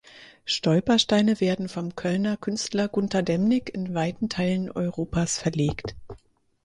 Stolpersteine werden vom Kölner Künstler Gunter Demnig in weiten Teilen Europas verlegt.